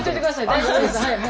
大丈夫です。